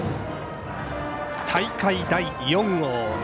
大会第４号。